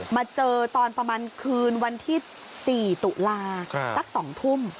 มาเจอตอนประมาณคืนวันที่๔ตุลาสัก๒ทุ่ม